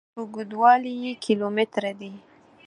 اوږدوالي یې کیلو متره دي.